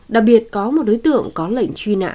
đặc biệt có một đối tượng có lệnh truy nã